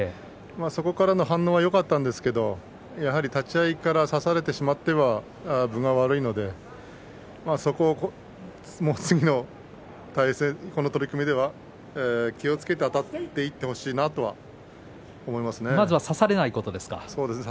そこからの反応がよかったんですけれどやはり立ち合いから差されてしまっては分が悪いので次の対戦、この取組では気をつけてあたっていってほしいなと思いますね。